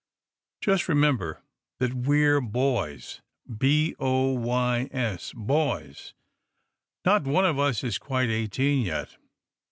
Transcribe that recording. Just remember that we're boys b o y s boys. Not one of us is quite eighteen yet.